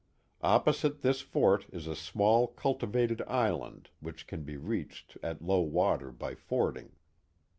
Opposite this fort is a small cultivated island which can be reached at low water by fording.